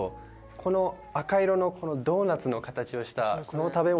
この赤色のドーナツの形をしたこの食べ物